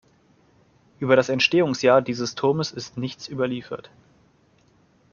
Über das Entstehungsjahr dieses Turmes ist nichts überliefert.